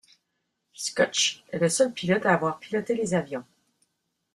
Schoch est le seul pilote à avoir piloté les avions.